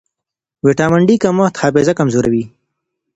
ویټامن ډي کمښت حافظه کمزورې کوي.